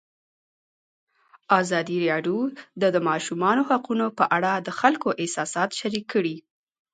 ازادي راډیو د د ماشومانو حقونه په اړه د خلکو احساسات شریک کړي.